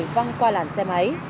vâng qua làn xe máy